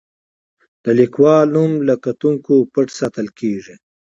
د لیکوال نوم له کتونکو پټ ساتل کیږي.